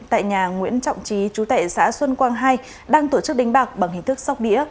tại nhà nguyễn trọng trí chú tệ xã xuân quang hai đang tổ chức đánh bạc bằng hình thức sóc đĩa